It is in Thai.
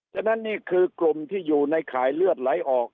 ฉะนั้นนี่คือกลุ่มที่อยู่ในข่ายเลือดไหลออก